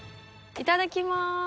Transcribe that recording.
いただきます。